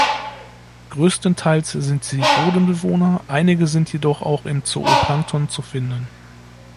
Größtenteils sind sie Bodenbewohner, einige sind jedoch auch im Zooplankton zu finden.